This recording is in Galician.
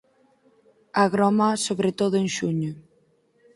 Agroma sobre todo en xuño.